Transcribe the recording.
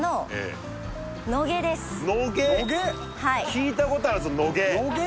聞いたことあるぞ野毛野毛